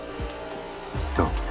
どう？